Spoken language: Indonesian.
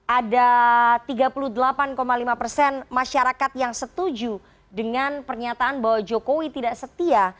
ada tiga puluh delapan lima persen masyarakat yang setuju dengan pernyataan bahwa jokowi tidak setia